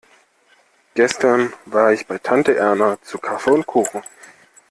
Gestern war ich bei Tante Erna zu Kaffee und Kuchen.